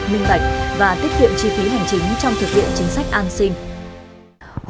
minh bạch và tiết kiệm chi phí hành chính trong thực hiện chính sách an sinh